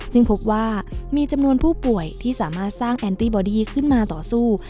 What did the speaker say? ซึ่งพบว่ามีจำนวนผู้ป่วยที่สามารถสร้างแอนตี้บอดี้ขึ้นมาต่อสู้